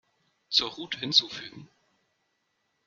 Zur Route hinzufügen.